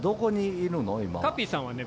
カピーさんはね。